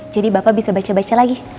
jadi bapak bisa baca baca lagi